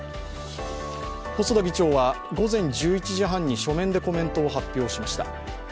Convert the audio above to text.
細田議長は午前１１時半に書面でコメントを発表しました。